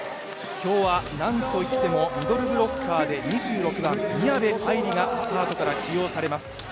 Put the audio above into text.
今日はなんといってもミドルブロッカーで２６番、宮部藍梨がスタートから起用されます。